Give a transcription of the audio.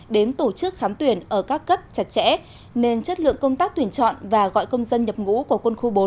đến tổ chức khám tuyển ở các cấp chặt chẽ nên chất lượng công tác tuyển chọn và gọi công dân nhập ngũ của quân khu bốn